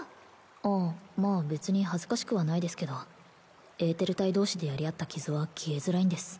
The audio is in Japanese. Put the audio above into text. ああまあ別に恥ずかしくはないですけどエーテル体同士でやり合った傷は消えづらいんです